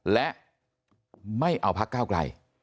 และไม่เอาพักก้าวไกล